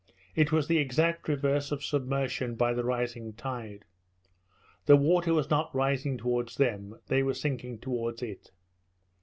It was the exact reverse of submersion by the rising tide. The water was not rising towards them; they were sinking towards it.